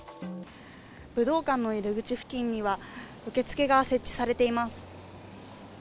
武道館の入り口付近には受付が設置されています。